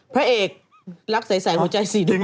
พระเอกรักใสหัวใจสีดำ